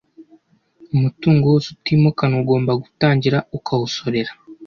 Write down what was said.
umutungo wose utimukanwa ugomba gutangira ukawusorera